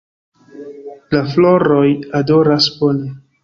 La floroj odoras bone.